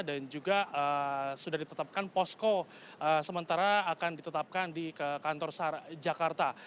dan juga sudah ditetapkan posko sementara akan ditetapkan di kantor jakarta